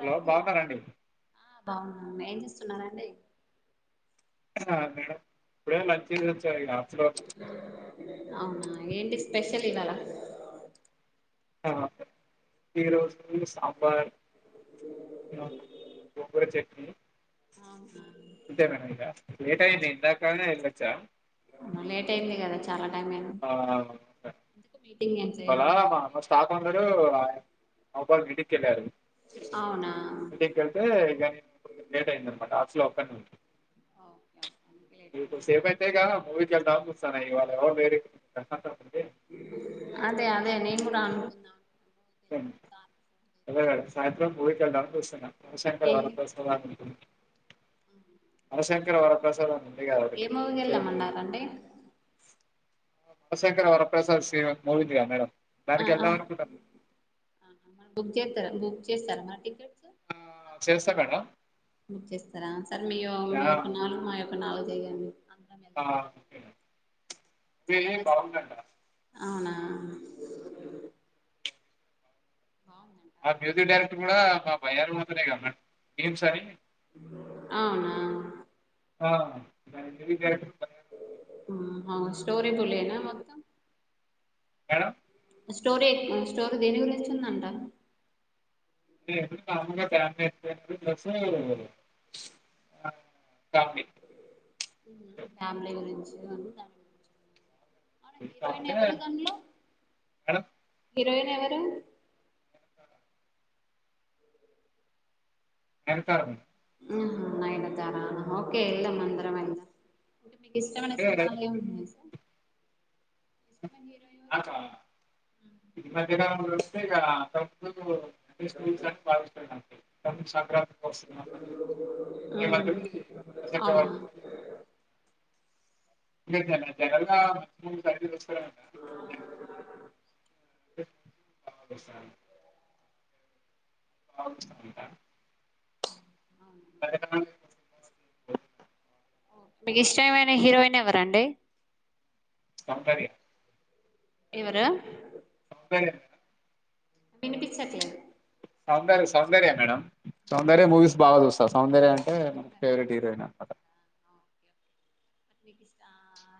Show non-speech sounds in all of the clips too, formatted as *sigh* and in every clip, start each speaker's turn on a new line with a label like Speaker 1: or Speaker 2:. Speaker 1: Hello బాగున్నారండి
Speaker 2: బాగున్నం ఏం చేస్తున్నారండి
Speaker 1: మేడం ఇప్పుడే లంచ్చేసి వచ్చాఏడ
Speaker 2: అవునా ఏంటి స్పెషల్ ఇవ్వాల
Speaker 1: అ ఈ రోజు సాంబార్ గోంగూర చట్నీ ఇంతే మేడం ఇక లేటయింది ఇందాక వెళ్లొచ్చా
Speaker 2: మొ లేట్ అయింది కదా చాలా టైం అయింది
Speaker 1: ఆ
Speaker 2: మీటింగ్ గేమ్స్
Speaker 1: ఇవాళ
Speaker 2: ఏమన్నా ఉన్నాయా
Speaker 1: మా మ స్టాఫ్ అందరూ అబళ మీటింగ్ కి వెళ్లారు
Speaker 2: అవునా
Speaker 1: మీటింగ్ కెళ్తే ఇగా కొంచెం లేట్ అయిందనమాట ఆఫీస్లో ఒక్కన్నే
Speaker 2: ఓకే ఓకే అందుకే లేట్ తిన్నారా
Speaker 1: ఇంకొద్దిసేపైతే ఇగ మూవీ వెళ్తా ఇవాళేమో వేడి
Speaker 2: అదే అదే నేను కూడా అనుకుంటున్న
Speaker 1: అదే అండి సాయంత్రం మూవీ కి వెళ్దామని చూస్తున్న మన శంకర
Speaker 2: ఏ
Speaker 1: వరప్రసాద్ అనే మూవీ కి శివ శంకర్ వరప్రసాద్ అని ఉంది కదా
Speaker 2: ఏ
Speaker 1: ఒక్కటి
Speaker 2: మూవీకి
Speaker 1: చిరంజీవి మూవీ
Speaker 2: వెళ్దామన్నారండి
Speaker 1: శివ శంకర్ వరప్రసాద్ సినీ మూవీ ఉంది కదా మేడం
Speaker 2: ఆ ఆ
Speaker 1: దానికెళ్దాం అనుకున్న
Speaker 2: ఆహా, బుక్ చేస్తారా బుక్ చేస్తారా మరి టికెట్స్
Speaker 1: చేస్తా మేడం
Speaker 2: స్తారా సరె మీ మీ యొక్క నాలుగు మా యొక్క నాలుగు చేయం
Speaker 1: ఆ
Speaker 2: చాలా
Speaker 1: ఫిల్మ్
Speaker 2: డేస్
Speaker 1: బాగుందంట
Speaker 2: అవునా బాగు
Speaker 1: ఆ మ్యూజిక్ డైరెక్టర్ కూడా మా భయాలు పోతున్నాయా మేడం మీమ్స్ అన్ని
Speaker 2: అవునా
Speaker 1: ఆ మ్యూజిక్ డైరెక్టర్
Speaker 2: ఆ స్టోరిబులేనా మొత్తం
Speaker 1: మేడం
Speaker 2: స్టోరె చెప్పు స్టోరి దేని గురించుందంట
Speaker 1: ఇగ ఎప్పుడు కామన్ గదా *unintelligible* అ కామెడీ
Speaker 2: ఫ్యామిలీ గురించి ఉంది గాని దాని గురించి అవునా హీరోయిన్
Speaker 1: కాకపోతే
Speaker 2: ఎవరు
Speaker 1: మేడం
Speaker 2: దాన్లో హీరోయిన్ ఎవరు
Speaker 1: నయనతార మేడం
Speaker 2: ఆ నయనతారా ఓకే వెళ్దాం అందరం వెళ్దాం మీకు ఇష్టమైన
Speaker 1: అంటే
Speaker 2: సినిమాలు ఏం ఉన్నయ్ సార్ ఇష్టమైన హీరో
Speaker 1: నాకా
Speaker 2: ఎవరు
Speaker 1: నాకేదన్న దొరికితే ఇగ *unintelligible* *unintelligible* మేమక్కడి పక్కింట్లో వాళ్
Speaker 2: అవునా
Speaker 1: తోటి ఇగ జనల్ జనల్ గా *unintelligible* బాగా వస్తాయి అవుస్తాందా *unintelligible*
Speaker 2: మీకు ఇష్టమైన హీరోయిన్ ఎవరండి
Speaker 1: సౌందర్య
Speaker 2: ఎవరు
Speaker 1: దర్య మేడం
Speaker 2: వినిపించట్లేదు
Speaker 1: సౌందర సౌందర్య మేడం సౌందర్య మూవీస్ బాగా చూస్తా సౌందర్య అం టే
Speaker 2: సౌందర్య
Speaker 1: ఫేవరెట్
Speaker 2: మూవీస్
Speaker 1: హీరోయిన్ అనమాట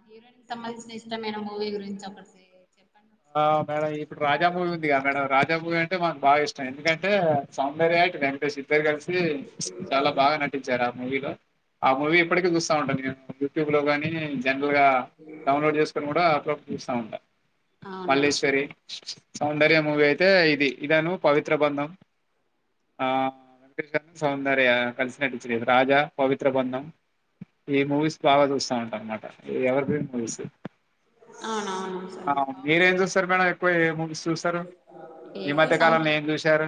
Speaker 2: హీరోయిన్ కి సంబంధించి ఇష్టమైన మూవీ గురించి ఒకటి చెప్పండి
Speaker 1: ఆ మేడం ఇప్పుడు రాజామూవీ ఉందిగా మేడం రాజామూవి అంటే మనకు బాగా ఇష్టం ఎందుకంటే సౌందర్య వెంకటేశు ఇద్దరు కలిసి ప్చ్ చాలా బాగా నటించారు ఆ మూవీలో ఆ మూవీ
Speaker 2: అవునా
Speaker 1: ఇప్పటిక చూస్తా ఉంటా నేను యూట్యూబ్ లో గాని జనరల్ గా డౌన్లోడ్ చేసుకొని కూడా అప్పుడప్పుడు చూస్తా ఉంటా
Speaker 2: అవునా
Speaker 1: మల్లేశ్వరి సౌందర్య మూవీ అయితే ఇది ఇదను పవిత్ర బంధం ఆ వెంకటేష్ సౌందర్య కలిసి నటీంచి రాజా పవిత్ర బంధం ఈ మూవీస్ బాగా చూస్తా ఉంటా అనమాట ఎవర్ గ్రీన్ మూవీస్
Speaker 2: అవునవును
Speaker 1: ఆ!
Speaker 2: సర్ ప
Speaker 1: మీరేం చూస్తారు మేడం ఎక్కువ ఏ మూవీస్ చూస్తారు
Speaker 2: బాగుంటాయి.
Speaker 1: ఈ
Speaker 2: ఎక్కువ
Speaker 1: మధ్య
Speaker 2: సౌంద్
Speaker 1: కాలంలో ఏం చూశారు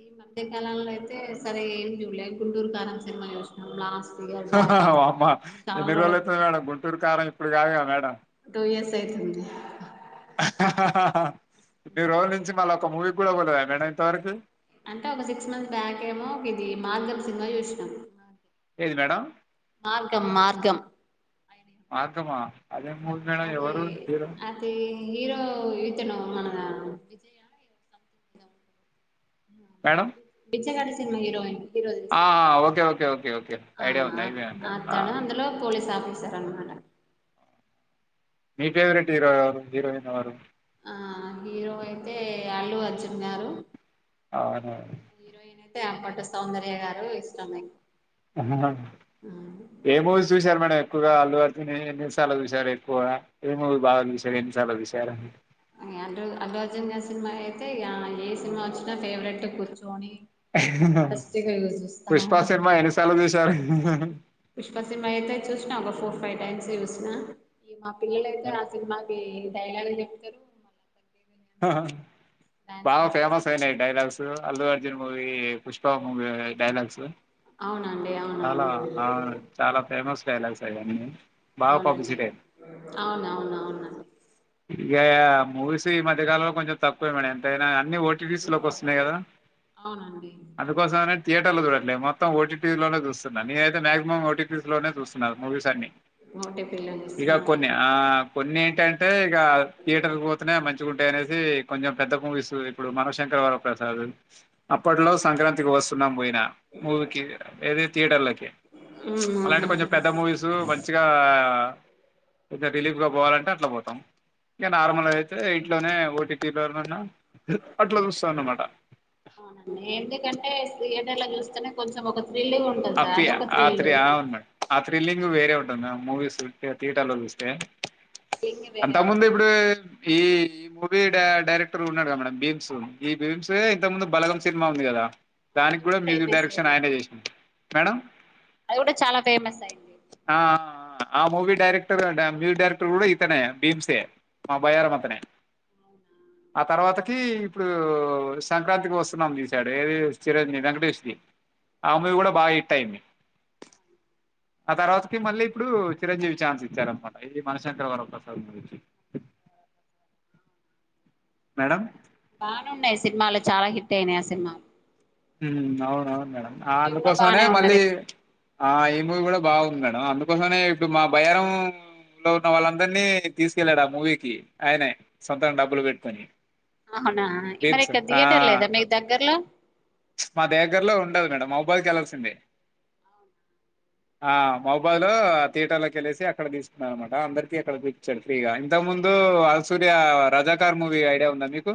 Speaker 2: ఈ మధ్యకాలంలో అయితే సరే ఏం చూడలేదు గుంటూరు కారం సినిమా చూసినం లాస్ట్ ఇయర్ బ్యాక్
Speaker 1: ఆహ వమ్మ
Speaker 2: చాలా
Speaker 1: ఎన్ని రోజులు అవుతుంది
Speaker 2: అయితుంది
Speaker 1: మేడం గుంటూరు కారం ఇప్పుడు కాదుగా మేడం
Speaker 2: టూ ఇయర్స్ అయితుంది
Speaker 1: ఇన్ని రోజుల్ నుంచి మళ్లా ఒక మూవీ కూడా పోలేద మేడం ఇంతవరకి
Speaker 2: అంటే ఒక సిక్స్ మంత్స్ బ్యాక్ ఏమో ఒక ఇది మార్గం సినిమా చూసినాం
Speaker 1: ఏది మేడం
Speaker 2: మార్గం మార్గం
Speaker 1: మార్గం మా అదేం మూవీ మేడం
Speaker 2: అది
Speaker 1: ఎవరు హీరో
Speaker 2: అది హీరో ఇతను మన Vijaya
Speaker 1: madam
Speaker 2: Bichagadu cinema heroine hero తెల్సా
Speaker 1: ఆ
Speaker 2: అండీ
Speaker 1: ఓకే ఓకే ఓకే ఓకే
Speaker 2: ఆ
Speaker 1: ఐడియా ఉంది
Speaker 2: అత్
Speaker 1: ఐడియా ఉంది ఆ,
Speaker 2: అతను అందులో పోలీస్ ఆఫీ సరానమాట
Speaker 1: మీ ఫేవరెట్ హీరో ఎవరు హీరోయిన్ ఎవరు
Speaker 2: ఆ హీరో అయితే అల్లుఅర్జున్ గారు
Speaker 1: అవునవును
Speaker 2: టే అప్పటి సౌందర్య గారు ఇష్టమే
Speaker 1: ఆహా ఏమూవీస్ చూశారు మేడం ఎక్కువగా అల్లుఅర్జున్ ఎన్నిసార్లు చూశారు ఎక్కువ ఏ మూవీ బాగా చూశారు ఎన్నిసార్లు చూశారూ
Speaker 2: అ అల్లు అల్లుఅర్జున్ గారి సినిమా అయితే ఏ సినిమా వచ్చినా ఫేవరెట్ కూర్చోని
Speaker 1: ఆహ్ ఆహా పుష్ప సినిమా
Speaker 2: ఉంటాము
Speaker 1: ఎన్నిసార్లు చూసారు ఆహ్ ఆహా
Speaker 2: పుష్ప సినిమా అయితే చూ ఒక ఫోర్ ఫైవ్ టైమ్స్ చూసిన మా పిల్లలఅయితే ఆ సినిమాకి డైలాగులు చెప్తారు మళ్ళీ తగ్గేదని
Speaker 1: హహ
Speaker 2: డాన్స్లు
Speaker 1: బాగా
Speaker 2: కూడా చేస్తారు
Speaker 1: ఫేమస్ అయినాయి dialogues Allu Arjun movie Pushpa movie dialogues
Speaker 2: అవునండి అవునవును
Speaker 1: చాలా ఆ చాలా ఫేమస్ డైలాగ్స్ అయన్ని
Speaker 2: అవునండి అవును అవును అవునండి
Speaker 1: ఇగ మూవీస్ ఈ మధ్య కాలంలో కొంచెం తక్కువే మేడం ఎంతైనా అన్ని ఓటీటీస్ లోకి వస్తున్నాయి కదా
Speaker 2: అవునండి
Speaker 1: అందుకోసంనే థియేటర్ చూడట్లేదు మొత్తం ఓటీటీ లోనే చూస్తున్నాను నేన అయితే మాక్సిమం ఓటీటీ లోనే చూస్తున్నారు మూవీస్ అన్ని
Speaker 2: ఒకటే పిల్లలు
Speaker 1: ఇగ
Speaker 2: ఇస్తున్నారా
Speaker 1: కొన్ని ఆ కొన్ని ఏంట టే ఇక థియేటర్ పోతేనే మంచి టే అనేది కొంచెం పెద్ద మూవీసు ఇప్పుడు మన శంకరవర ప్రసాద్ అప్పట్లో సంక్రాంతికి వస్తున్నాం పోయి మూవికి ఏది థియేటర్లకి
Speaker 2: ఉమ్,
Speaker 1: అలాంటి కొంచెం
Speaker 2: అవునవును
Speaker 1: పెద్ద మూవీస్ మంచిగా ఇక రిలీఫ్ గా పోవాలంటే అట్లా పోతాం ఇంకా నార్మల్గా అయితే ఇంట్లోనే ఓటిటీలో లోన అట్లా చూస్తాన్నమాట
Speaker 2: టార్లోనే కొంచెం ఒక థ్రిల్ ఉంటుంది సార్
Speaker 1: అప్పియ
Speaker 2: అదొక థ్రిల్
Speaker 1: ఆత్రి అవును ఆ థ్రిల్లింగ్ వేరే ఎప్పుడన మూవిస్ ఉంటే థియేటర్ లో చస్తే
Speaker 2: థ్రిల్లింగ్ వేరే
Speaker 1: అంతకు ముందు
Speaker 2: ఉంటుంది
Speaker 1: ఇప్పుడు ఈ ఈ మూవీ డైరెక్టర్ ఉన్నాడు గా మేడం భీమ్స్ ఈ భీమ్స్ ఇంత ముందు బలగం సినిమా ఉంది కదా
Speaker 2: ఆ,
Speaker 1: దానికి
Speaker 2: అది
Speaker 1: కూడా మ్యూజిక్
Speaker 2: ఫేమస్
Speaker 1: డైరెక్షన్
Speaker 2: అయింది
Speaker 1: ఆయనే
Speaker 2: బాగా.
Speaker 1: చేసింది మేడం
Speaker 2: అది కూడా చాలా ఫేమస్ అయింది
Speaker 1: ఆ ఆ మూవీ డైరెక్టర్ అ మ్యూవీ డైరెక్టర్ కూడా ఇతనే భీమ్సే మా బయరా అతనే
Speaker 2: అవునా
Speaker 1: ఆ తర్వాత హ్మ్ ఇప్పుడు సంక్రాంతికి వస్తున్నాం తీసాడు ఏది చిరంజీవి వెంకటేష్ది ఆహ్ మూవీ కూడా బాగా హిట్ అయింది ఆ తర్వాతకి మళ్ళీ ఇప్పుడు చిరంజీవి ఛాన్స్ ఇచ్చారనమాట ఇది మనశంకర వర ప్రసాద్ గురించి మేడం
Speaker 2: బానేఉన్నాయ్ సినిమాలు చాలా హిట్ అయినాయి ఆ సినిమాలు
Speaker 1: హ్మ్ అవున అవును మేడం
Speaker 2: స్టోరీ కూడా
Speaker 1: అందుకోసమనే
Speaker 2: బానే
Speaker 1: మళ్ళీ
Speaker 2: ఉన్నది
Speaker 1: ఆ ఈ మూవీ కూడా బాగుంది మేడం అందుకోసమె ఇప్పుడు మా బయారం ఇంట్లో ఉన్న వాళ్ళందరినీ తీసుకెళ్ళలాడు ఆ మూవీకి ఆయనే సొంతంగా డబ్బులు పెట్టుకొని
Speaker 2: ఆహా అవునా మరి ఇక్కడ థియేటర్ లేదా మీకు దగ్గర్లో
Speaker 1: మా దగ్గరలో ఉండదు మేడం మబాల్కి వెళ్లాల్సిందే ఆ మహబాలు థియేటర్ లొ కేలేసి అక్కడ తీసుకున్న అనమాట అందరికి అక్కడ ఇచ్చాడు ఫ్రీగా ఇంతకు ముందు హ్మ్ సూర్య రజాకార్ మూవీ ఐడియా ఉందా మీకు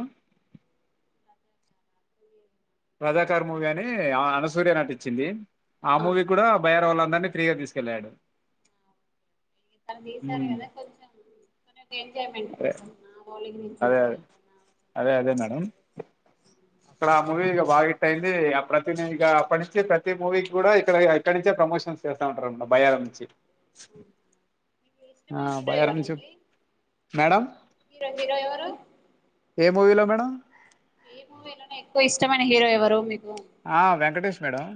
Speaker 1: రజాకర్ మూవీ అని అనసూర్య నటించింది ఆ మూవీ కూడా బైరవలా ఫ్రీగా తీసుకెళ్లాడు
Speaker 2: ఇక్కడ తీసారు కదా కొంచెం ఎంజాయ్మెంట్
Speaker 1: అదే.
Speaker 2: కోసం మొలి
Speaker 1: అదే అదే అదే మేడం
Speaker 2: తీసుకోవచ్చు
Speaker 1: అక్కడ ఆ మూవీ బాగా హిట్ అయింది ప్రతి ఇక అప్పటి నుంచి ప్రతి మూవీకి కూడా ఇక్కడ ఇక్కడి నుంచి ప్రొమోషన్స్ చేస్తా ఉంట భయంచి
Speaker 2: మీకు
Speaker 1: ఆ
Speaker 2: ఇష్టమైన హీరో
Speaker 1: బయారం
Speaker 2: ఎవరండి
Speaker 1: మేడం
Speaker 2: హీరో మీరెవరు
Speaker 1: ఏ మూవీలో మేడం.
Speaker 2: ఏ మూవీలోనే ఎక్కువ ఇష్టమైన హీరో ఎవరు మీకు.
Speaker 1: ఆహ్ వెంకటేష్ మేడం.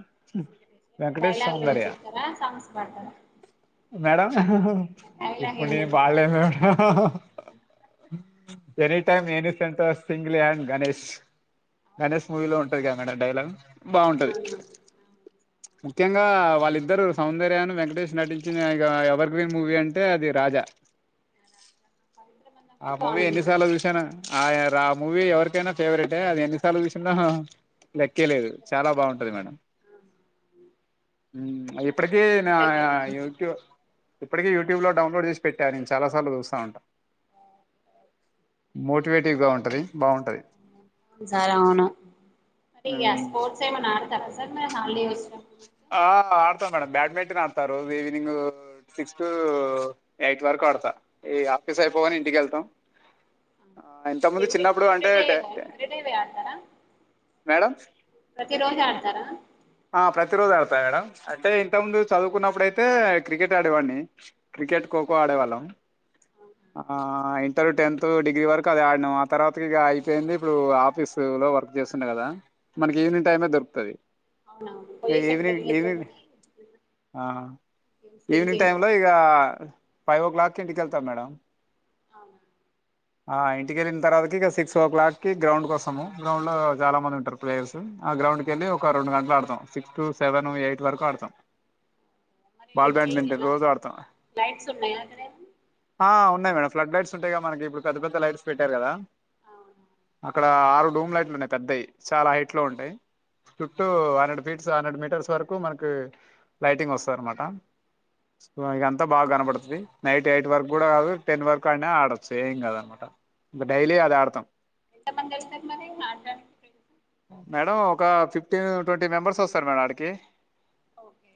Speaker 1: వెంకటేష్
Speaker 2: డైలాగులు ఏమన్నా
Speaker 1: సౌందర్య
Speaker 2: చెప్తారా సాంగ్స్ పాడతారా.
Speaker 1: మేడం అహ్ అహ్
Speaker 2: డైలాగ్
Speaker 1: ఇప్పుడు
Speaker 2: ఏమైనా
Speaker 1: నేను
Speaker 2: చెప్తారా
Speaker 1: బాలేను madam any time any centre single హన్డ్ Ganesh Ganesh మూవీలో ఉంటది గా మేడం డైలాగూ బాగుంటది
Speaker 2: అవునా
Speaker 1: ముఖ్యంగా వాళ్ళిద్దరు సౌందర్యాను వెంకటేష్ నటించిన ఇగా ఎవర్ గ్రీన్ మూవీ అంటే అది రాజా
Speaker 2: పవిత్ర బంధం
Speaker 1: ఆ
Speaker 2: కూడా
Speaker 1: మూవీ
Speaker 2: బానే ఉంటది
Speaker 1: ఎన్నిసార్లు జూసానో. ఆహ్ రా మూవీ ఎవరికైనా ఫేవరెటే అది ఎన్నిసార్లు చూసిన్నో లెక్. లెక్కే లేదు
Speaker 2: చూడబుద్ధి
Speaker 1: చాలా
Speaker 2: అయితనే
Speaker 1: బాగుంటది
Speaker 2: ఉంటది
Speaker 1: మేడం. ఉమ్
Speaker 2: ఎన్నిసార్లు
Speaker 1: అదిప్పట్కీ
Speaker 2: చూస్తాం
Speaker 1: నా
Speaker 2: లెక్కలే
Speaker 1: నా
Speaker 2: అయితుంది
Speaker 1: యొక్క్యో. ఇప్పటికి యూట్యూబ్ లో డౌన్లోడ్ జేశి పెట్టా నేన్ చాల సార్లు చూస్తావుంటా. మోటివేటివ్గా ఉంటది బాగుంటది.
Speaker 2: అవును సార్ అవును మరి ఆ
Speaker 1: మ్మ్
Speaker 2: స్పోర్ట్స్ ఏమైనా ఆడతారా సార్ మరి. ఆహ్ న్యూస్ల.
Speaker 1: ఆ ఆడతా మేడం బ్యాడ్మింటన్ ఆడతారు రోజ్ ఈవినింగ్ సిక్స్ టూ ఎయిట్ వరకు ఆడ్త. ఇగ ఆఫ్ఫిస్ అయిపోగానే ఇంటికెళ్తాం.
Speaker 2: అవునా ఎవ్రీడే ఎవరీ
Speaker 1: అంటే
Speaker 2: డే ఎవరీ డేన ఆడతారా.
Speaker 1: మేడం
Speaker 2: ప్రతి రోజు ఆడ్తారా.
Speaker 1: ఆహ్ ప్రతి రోజు ఆడ్తా మేడం అంటే ఇంతకు ముందు చదువుకున్నప్పుడైతే క్రికెట్ ఆడేవాడిని. క్రికెట్ ఖోఖో ఆడేవాళ్ళం. ఆహ్ ఇంటర్ టెన్త్ డిగ్రీ వరకు అదే ఆడ్నాము ఆ తర్వాత ఇగా అయిపోయింది ఇప్పుడు ఆఫీసు. లో వర్క్ జేస్తుండే గదా మనకి ఈవినింగ్ టైమే దొరుక్తది.
Speaker 2: అవునవును పొజిషన్
Speaker 1: ఈవెనింగ్
Speaker 2: పెరిగే
Speaker 1: ఈవెనింగ్
Speaker 2: కొద్దీ
Speaker 1: ఆహ్.
Speaker 2: గేమ్స్ కూడా
Speaker 1: ఈవినింగ్
Speaker 2: చేంజ్
Speaker 1: టైమ్ లో
Speaker 2: అవుతాయి
Speaker 1: ఇగా ఫైవ్ ఓ క్లాక్కి ఇంటికెళ్తాం మేడం.
Speaker 2: అవునా.
Speaker 1: ఆహ్ ఇంటికెళ్ళిన్ తర్వాత ఇగా సిక్స్ ఓ క్లాక్ కి గ్రౌండ్ కోస్తము గ్రౌండ్ లో చాలా మందుంటారు ప్లేయర్స్. ఆ గ్రౌండ్ కెళ్ళి ఒక రొండు గంటలు ఆడ్తం సిక్స్ టూ సెవెను ఎయిట్ వరకు ఆడుతాం.
Speaker 2: మరి
Speaker 1: బాల్
Speaker 2: చేంజ్
Speaker 1: బ్యాడ్మింటన్ రోజాడ్తం
Speaker 2: లైట్స్ ఉన్నాయా అక్కడ ఏమన్నా
Speaker 1: ఆహ్. ఉన్నాయ్ మేడం ఫ్లాడ్ లైట్స్ ఉంటాయిగా మనకిపుడు పెద్ద పెద్ద లైట్స్ పెట్టార్ కదా.
Speaker 2: అవును.
Speaker 1: ఇక్కడ ఆరు రూమ్ లైట్లు ఉన్నాయి పెద్దయ్ చాలా హైట్ లో ఉంటాయ్ చుట్టూ. హండ్రెడ్ ఫీట్స్ హండ్రెడ్ మీటర్స్ వరకు మనకి లైటింగ్ వొస్తది అన్మాట. సో ఇగ అంతా బాగా గనబడ్తది నైట్ ఎయిట్ వరకు గూడా గాదు టెన్ వరకు ఐనా ఆడొచ్చు ఏం కాదన్మాట.
Speaker 2: మరి ఎంత మంది వచ్చినాట్లు మరి ఆడడానికి మీ ఫ్రెండ్స్.
Speaker 1: మేడం ఒక ఫిఫ్టీన్ ట్వంటీ మెంబర్స్ వొస్తరు మేడం ఆడికి.
Speaker 2: Okay.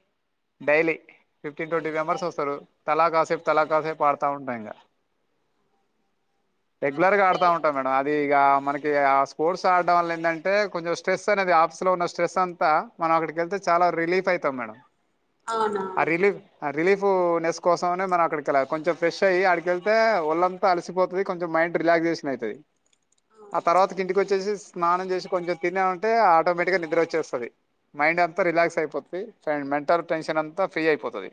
Speaker 1: Daily fifteen twenty
Speaker 2: daily
Speaker 1: members
Speaker 2: daily
Speaker 1: వొస్తరు తలా కాసేపు. తలాకాసేపు ఆడతా ఉంటా ఇగా. రేగులర్గా
Speaker 2: హెల్త్
Speaker 1: ఆడుతా ఉంటా మేడం అది ఇగ మనక్. ఇగా స్పోర్ట్స్ ఆడ్డం వల్ల ఏందంటే కొంచెం స్ట్రెస్ అనేది ఆఫీస్ లో ఉన్న. స్ట్రెస్ అంతా మనం అక్కడికెళ్తే చాలా రిలీఫ్ ఐతం మేడం ఆ
Speaker 2: అవునవును
Speaker 1: రిలీఫ్ ఆ రిలీఫ్. ఫ్ నెస్ కోసమనే మనం అక్కడికెళ్లాలి కొంచెం ఫ్రెష్ అయి ఆడికెళ్తే ఒళ్ళంతా అలిసిపోతది కొెంచెం మైండ్ రిలాక్స్. *unintelligible* అయితది.
Speaker 2: అవునా
Speaker 1: ఆ తర్వాతకి ఇంటికొచ్చేసి స్నానం జేసి కొంచెం తినామంటే ఆటోమేటిక్ గా నిద్ర ఒచ్. చేస్తది మైండ్ అంతా రిలాక్స్ అయిపోతది ఫైన్ మెంటల్ టెన్షన్ అంతా ఫ్రీ అయిపోతది.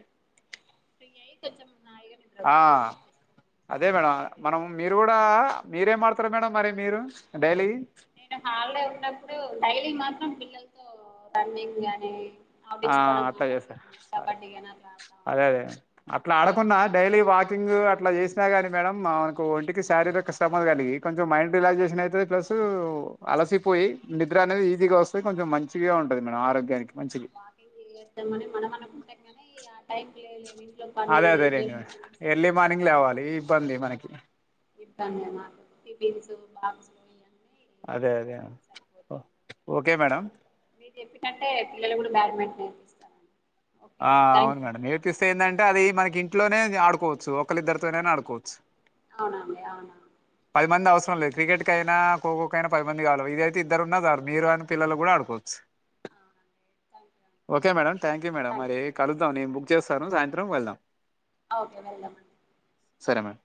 Speaker 2: ఫ్రీ అయి కొంచెం హాయిగా నిద్ర నిద్ర
Speaker 1: ఆహ్
Speaker 2: వచ్చేస్తది
Speaker 1: అదే మేడం. మనం మీరు గూడా మీరేం వాడ్తర్ మేడం మరి మీరు డైలీ
Speaker 2: నేను హాలిడే ఉన్నప్పుడు డైలీ మాత్రం పిల్లల్తో రన్నింగ్ గాని
Speaker 1: ఆ అట్లా జేస్తరా సరే
Speaker 2: గానీ అట్లా ఆడుతా ఉంటా
Speaker 1: అదదే అట్లా ఆడకున్నా డైలీ వాకింగూ అట్లా జేస్నా గాని మేడం మాకు ఒంటికి శారీరక శ్రమ కలిగి కొంచెం మైండ్ రిలాక్సేషన్ అయితది ప్లస్ అలసిపోయి నిద్ర అనేది ఈజీగా వస్తాది కొంచెం మంచిగా ఉం. టది మేడం ఆరోగ్యానికి మంచిది.
Speaker 2: ఇగ మనం అనుకుంటాం కానీ ఇగా ఆ టైం కి లేవలేం.
Speaker 1: అదే అదే లె ఇంగ ఎర్లీ మార్నింగ్ లేవ్వాలి ఇబ్బంది మనకి.
Speaker 2: ఇబ్బంది నా *unintelligible*
Speaker 1: అదే అదే ఓకే మేడం
Speaker 2: మీరు చెప్పినట్టే పిల్లలు కూడ బ్యాడ్మింట్ నేర్పిస్తాను
Speaker 1: ఆ అవును మేడం ఇగ ట్విస్ట్ ఏందంటే అది మనకి ఇంట్లోనే అది ఆడుకోవచ్చు ఒకలిద్దరితోనైనా ఆడుకోచ్చు
Speaker 2: అవునండి అవును
Speaker 1: పది మంది అవసరం లేదు క్రికెట్కైనా ఖోఖోకైనా పది మంది కావలి ఇదైతే ఇద్దరు ఉన్న చాలు మీరు అన్ పిల్లలు కూడా ఆడుకోవచ్చు
Speaker 2: ఆ
Speaker 1: okay madam thank you madam మరి కలుద్దాం నేను బుక్ చేస్తాను సాయంత్రం వెళ్దాం
Speaker 2: ఓకే వెల్దామ్
Speaker 1: సరే మేడం